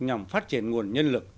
nhằm phát triển nguồn nhân lực